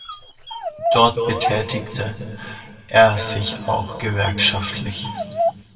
Dort betätigte er sich auch gewerkschaftlich.